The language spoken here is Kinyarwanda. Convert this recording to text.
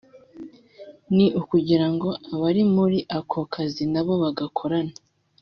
ni ukugira ngo abari muri ako kazi n’abo bagakorana